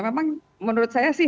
memang menurut saya sepakat